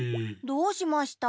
どうしました？